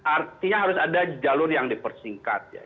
artinya harus ada jalur yang dipersingkat ya